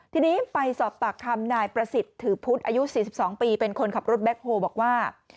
ทีนี้ไปสอบปากคำนายประสิทธิ์ถือพุทธอายุ๔๒ปีเป็นคนขับรถแบ็คโฮบอกว่า